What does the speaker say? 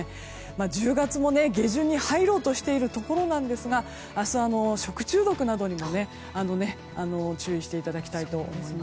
１０月も下旬に入ろうとしているところなんですが食中毒などにも注意していただきたいと思います。